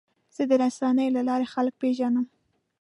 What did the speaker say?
زه د رسنیو له لارې خلک پیژنم.